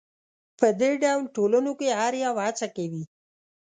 په دې ډول ټولنو کې هر یو هڅه کوي